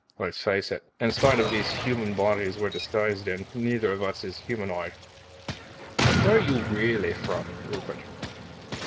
Let's face it, in spite of these human bodies we're disguised in, neither of us is humanoid. Where are you really from, Rupert?"